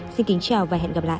xin kính chào và hẹn gặp lại